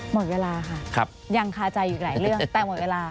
หมดเวลาค่ะยังคาใจอยู่หลายเรื่องแต่หมดเวลา